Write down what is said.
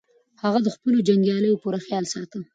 هغه د خپلو جنګیالیو پوره خیال ساته.